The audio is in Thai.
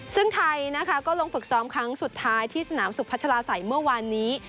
ซึ่งไทยนะคะก็ลงฝึกซ้อมครั้งสุดท้ายที่สนามสุพัชลาศัยเมื่อวานนี้